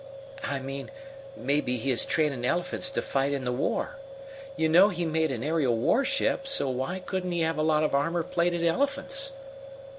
"I mean maybe he is trainin' elephants to fight in the war. You know he made an aerial warship, so why couldn't he have a lot of armor plated elephants?"